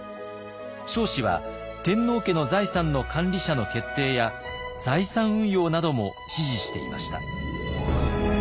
彰子は天皇家の財産の管理者の決定や財産運用なども指示していました。